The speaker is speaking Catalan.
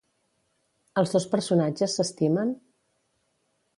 Els dos personatges s'estimen?